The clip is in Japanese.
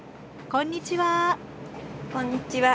こんにちは。